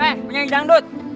eh penyanyi dangdut